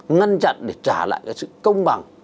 ngăn chặn để trả lại sự công bằng